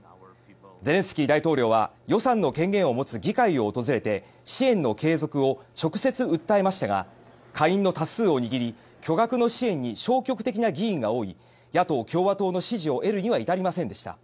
ゼレンスキー大統領は予算の権限を持つ議会を訪れて支援の継続を直接訴えましたが下院の多数を握り巨額の支援に消極的な議員が多い野党・共和党の支持を得るには至りませんでした。